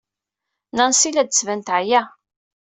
Nancy la d-tettban teɛya.